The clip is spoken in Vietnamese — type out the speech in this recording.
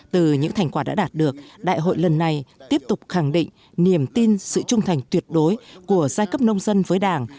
từ những thành quả đã đạt được đại hội lần này tiếp tục khẳng định niềm tin sự trung thành tuyệt đối của giai cấp nông dân với đảng